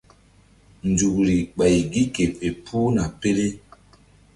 Nzukri ɓay gi ke fe puhna pele.